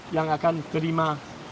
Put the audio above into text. yang akan terima